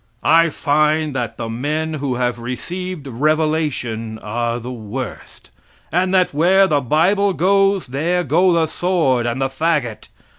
I find that the men who have received revelation are the worst; and that where the bible goes there go the sword and the fagot.